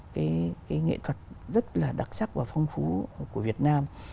cái nghệ thuật rất là đặc sắc và phong phú của việt nam